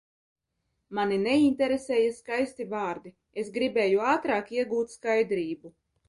Mani neinteresēja skaisti vārdi, es gribēju ātrāk iegūt skaidrību.